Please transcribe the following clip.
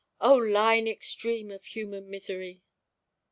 O line extreme of human misery!